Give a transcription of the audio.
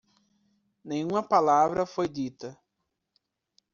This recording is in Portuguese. Nenhuma palavra foi dita.